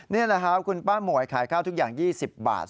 นี่แหละครับคุณป้าหมวยขายข้าวทุกอย่าง๒๐บาท